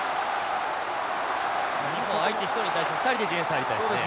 日本は相手１人に対して２人でディフェンスに入りたいですね。